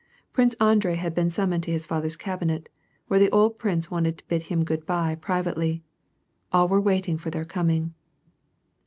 Prince Andrei had been summoned to his father's cabinet, where tht* old prince wanted to bid him good by privately. All were waiting for their coming.